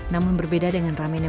namun berbeda dengan ramen yang